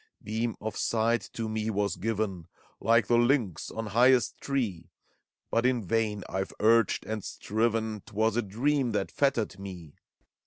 Beam of sight to me was given, Like the lynx on highest tree; But in vain IVe urged and striven, 'T was a dream that fettered me.